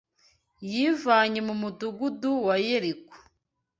Yabivanye mu mudugudu wa Yeriko